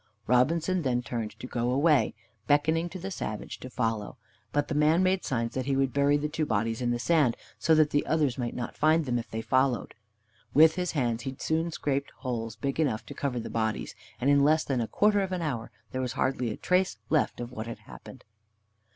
Robinson then turned to go away, beckoning to the savage to follow, but the man made signs that he would bury the two bodies in the sand, so that the others might not find them if they followed. With his hands he soon scraped holes deep enough to cover the bodies, and in less than a quarter of an hour there was hardly a trace left of what had happened.